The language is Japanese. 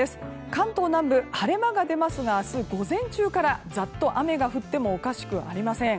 関東南部、晴れ間が出ますが明日、午前中からざっと雨が降ってもおかしくありません。